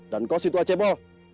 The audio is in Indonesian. dan kau si tuacebo